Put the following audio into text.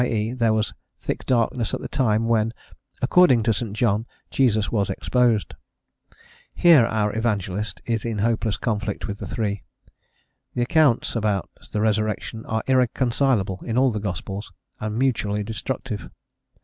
e., there was thick darkness at the time when, "according to St. John," Jesus was exposed. Here our evangelist is in hopeless conflict with the three. The accounts about the resurrection are irreconcilable in all the gospels, and mutually destructive.